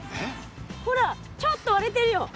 ほらちょっと割れてるよ。